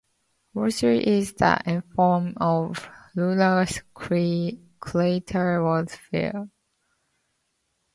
Walther is the eponym of lunar crater Walther.